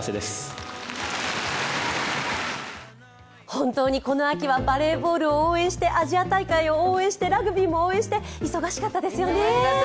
本当に、この秋はバレーボールを応援して、アジア大会を応援してラグビーも応援して忙しかったですよね。